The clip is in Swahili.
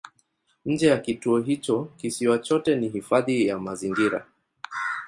Nje ya kituo hicho kisiwa chote ni hifadhi ya mazingira.